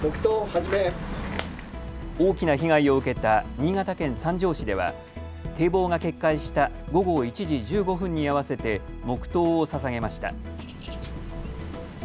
大きな被害を受けた新潟県三条市では堤防が決壊した午後１時１５分に合わせて黙とうをささげました。